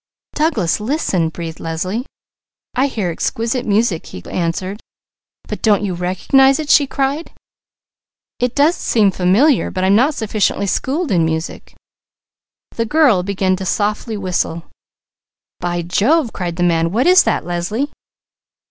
"Douglas, listen!" breathed Leslie. "I hear exquisite music," he answered. "But don't you recognize it?" she cried. "It does seem familiar, but I am not sufficiently schooled in music " The girl began softly to whistle. "By Jove!" cried the man. "What is that Leslie?"